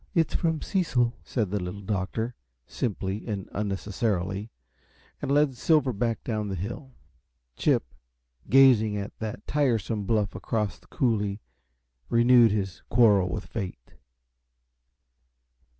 "It's from Cecil," said the Little Doctor, simply and unnecessarily, and led Silver back down the hill. Chip, gazing at that tiresome bluff across the coulee, renewed his quarrel with fate.